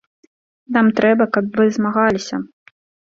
Нам трэба, каб вы змагаліся.